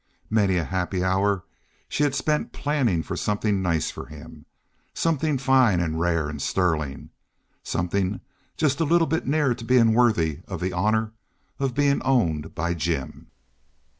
Many a happy hour she had spent planning for something nice for him. Something fine and rare and sterling—something just a little bit near to being worthy of the honour of being owned by Jim.